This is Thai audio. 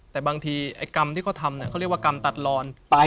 แต่บางทีไอ้กรรมที่เขาทำเขาเรียกว่ากรรมตัดลอน